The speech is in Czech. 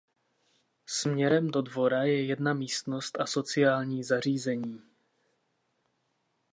Směrem do dvora je jedna místnost a sociální zařízení.